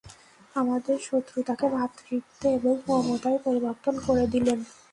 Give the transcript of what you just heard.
আমাদের শক্রতাকে ভ্রাতৃত্বে ও মমতায় পরিবর্তন করে দিলেন।